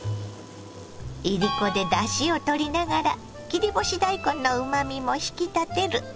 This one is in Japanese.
いりこでだしをとりながら切り干し大根のうまみも引き立てる。